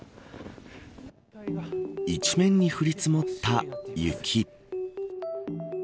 一面に降り積もった雪。